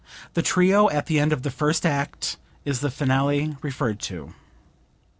The Trio at the end of the first act is the finale referred to.) 41.